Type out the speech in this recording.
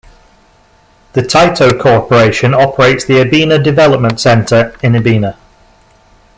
The Taito Corporation operates the Ebina Development Center in Ebina.